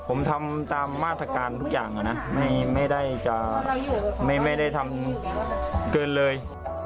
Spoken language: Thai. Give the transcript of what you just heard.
ผมทำตามมาตรการทุกอย่างนะไม่ได้จะไม่ได้ทำเกินเลย